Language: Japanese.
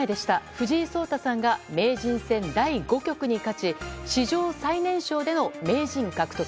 藤井聡太さんが名人戦第５局に勝ち史上最年少での名人獲得。